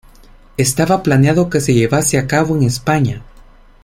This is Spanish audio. Estaba planeado que se llevase a cabo en España.